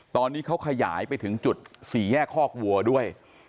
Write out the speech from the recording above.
ตอนนี้เขาขยายไปถึงจุดสี่แยกคอกวัวด้วย